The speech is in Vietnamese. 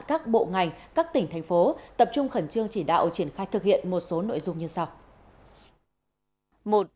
các bộ ngành các tỉnh thành phố tập trung khẩn trương chỉ đạo triển khai thực hiện một số nội dung như sau